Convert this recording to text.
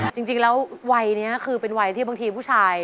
จริงแล้ววัยนี้คือเป็นวัยที่บางทีผู้ชาย